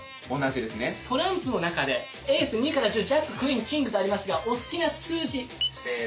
トランプの中でエース２から１０ジャッククイーンキングとありますがお好きな数字。